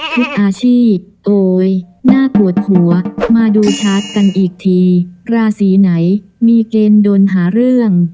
ทุกอาชีพโอ๊ยน่าปวดหัวมาดูชาร์จกันอีกทีราศีไหนมีเกณฑ์โดนหาเรื่อง